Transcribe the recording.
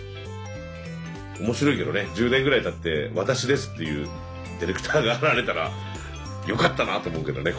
面白いけどね１０年ぐらいたって「私です」っていうディレクターが現れたらよかったなと思うけどね